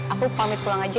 aku pamit pulang aja